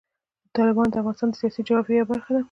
تالابونه د افغانستان د سیاسي جغرافیه یوه برخه ده.